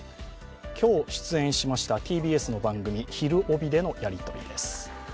今日出演しましたＴＢＳの番組「ひるおび！」でのやりとりです。